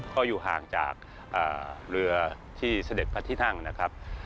ก็อยู่ห่างจากเรือที่เสด็จพระที่นั่งนะครับ